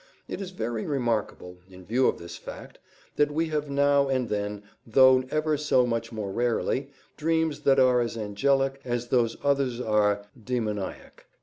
It is very remarkable, in view of this fact, that we have now and then, though ever so much more rarely, dreams that are as angelic as those others are demoniac.